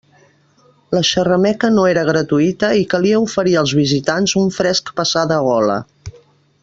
La xerrameca no era gratuïta i calia oferir als visitants un fresc passar de gola.